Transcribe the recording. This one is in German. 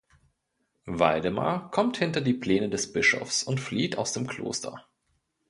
Valdemar kommt hinter die Pläne des Bischofs und flieht aus dem Kloster.